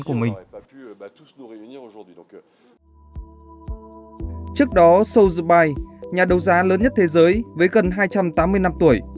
của chúng tôi trước đó sol zubai nhà đấu giá lớn nhất thế giới với gần hai trăm tám mươi năm tuổi